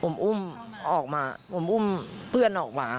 ผมอุ้มออกมาผมอุ้มเพื่อนออกมา